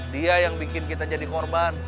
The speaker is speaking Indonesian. dia yang bikin kita jadi korban